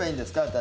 私。